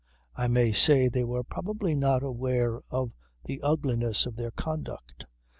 I must say they were probably not aware of the ugliness of their conduct.